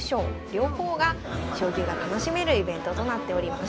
両方が将棋が楽しめるイベントとなっておりました。